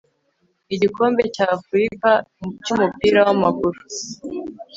igikombe cyafurika cyumupira wamaguru